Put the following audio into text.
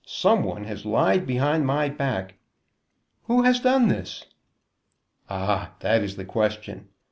Some one has lied behind my back." "Who has done this?" "Ah, that is the question.